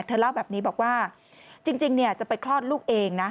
เล่าแบบนี้บอกว่าจริงจะไปคลอดลูกเองนะ